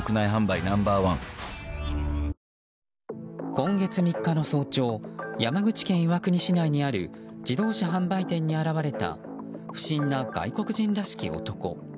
今月３日の早朝山口県岩国市内にある自動車販売店に現れた不審な外国人らしき男。